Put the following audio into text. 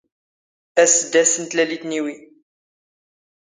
ⴰⵙⵙ ⴷ ⴰⵙⵙ ⵏ ⵜⵍⴰⵍⵉⵜ ⵏ ⵉⵡⵉ.